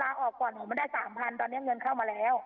ลาออกก่อนหนูไม่ได้๓๐๐ตอนนี้เงินเข้ามาแล้ว